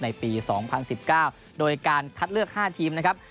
ในปี๒๐๑๙โดยการคัดเลือก๕ทีมนะครับ